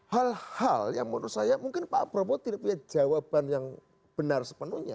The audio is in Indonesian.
hal hal yang menurut saya mungkin pak prabowo tidak punya jawaban yang benar sepenuhnya